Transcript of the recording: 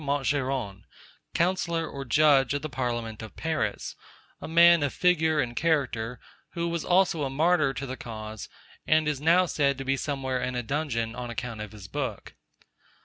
Montgeron, counsellor or judge of the parliament of Paris, a man of figure and character, who was also a martyr to the cause, and is now said to be somewhere in a dungeon on account of his book.